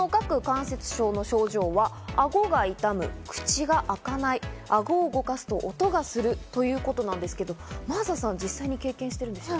この顎関節症の症状は顎が痛む、口が開かない、顎を動かすと音がするということなんですけれども、真麻さん、実際に経験しているんですね。